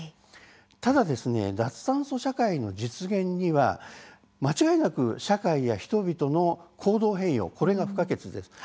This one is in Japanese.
ただ脱炭素社会の実現には間違いなく社会や人々の行動変容が不可欠です。